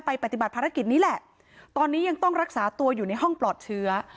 ปฏิบัติภารกิจนี้แหละตอนนี้ยังต้องรักษาตัวอยู่ในห้องปลอดเชื้อ